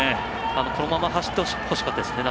このまま走ってほしかったですね。